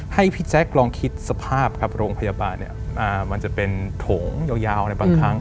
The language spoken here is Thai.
ให้พี่แจ๊คลองคิดสภาพครับโรงพยาบาลเนี่ยมันจะเป็นถงยาวในบางครั้ง